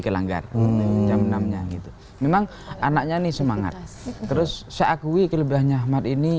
kelanggar jam enam nya gitu memang anaknya nih semangat terus saya akui kelebihannya ahmad ini